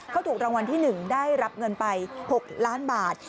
เขาถูกรางวัลที่๑ได้รับเงินไป๖ล้านบาท